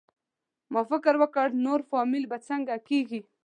ما فکر وکړ نور فامیل به څنګه کېږي؟